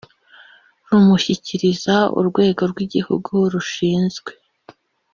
Rumushyikiriza urwego rw igihugu rushinzwe